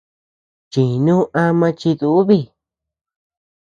Chínu ama chidúbi.